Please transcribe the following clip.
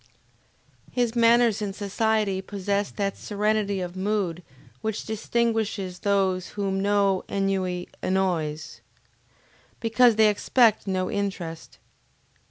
His manners in society possessed that serenity of mood which distinguishes those whom no ennui annoys, because they expect no interest.